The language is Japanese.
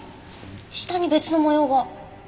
下に別の模様が。